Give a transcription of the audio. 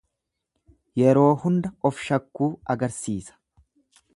Yeroo hunda of shakkuu agarsiisa.